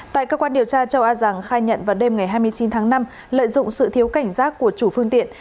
tại cơ quan điều tra châu a giàng khai nhận vào đêm ngày hai mươi chín tháng năm lợi dụng sự thiếu cảnh giác của chủ phương tiện